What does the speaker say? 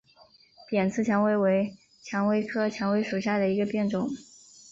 扁刺蔷薇为蔷薇科蔷薇属下的一个变种。